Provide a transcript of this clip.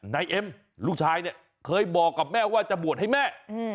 นายเอ็มลูกชายเนี่ยเคยบอกกับแม่ว่าจะบวชให้แม่